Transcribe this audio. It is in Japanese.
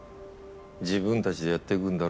自分たちでやっていくんだろ？